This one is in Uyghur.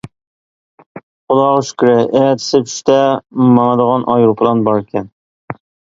خۇداغا شۈكرى، ئەتىسى چۈشتە ماڭىدىغان ئايروپىلان بار ئىكەن.